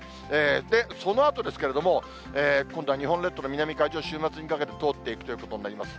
そのあとですけれども、今度は日本列島の南海上を週末にかけて、通っていくということになります。